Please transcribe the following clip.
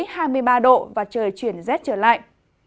nền nhiệt sẽ giảm xuống dưới hai mươi ba độ và trời chuyển rét trở lại